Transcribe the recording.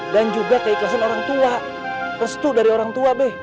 dan juga keikhlasan orang tua pestu dari orang tua be